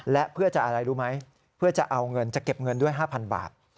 และเพื่อจะอะไรรู้ไหมเพื่อจะเอาเงินจะเก็บเงินด้วย๕๐๐บาท